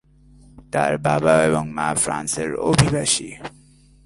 তার বাবা এবং মা ফ্রান্স এর অভিবাসী।